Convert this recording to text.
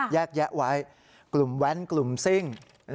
แยกแยะไว้กลุ่มแว้นกลุ่มซิ่ง